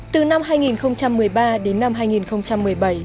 từ năm hai nghìn một mươi ba đến năm hai nghìn một mươi bảy